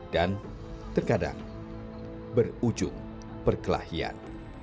dan terkadang berujung perkelahian